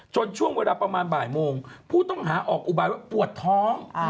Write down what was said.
ช่วงเวลาประมาณบ่ายโมงผู้ต้องหาออกอุบายว่าปวดท้อง